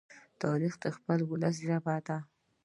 تاریخ د خپل ولس ژبه ده.